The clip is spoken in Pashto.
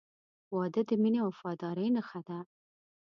• واده د مینې او وفادارۍ نښه ده.